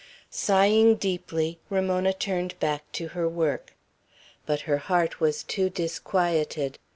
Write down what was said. Sighing deeply, Ramona turned back to her work. But her heart was too disquieted.